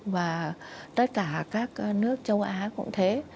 và tất cả các nước châu á cũng thế